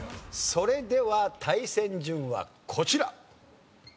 それでは対戦順はこちら。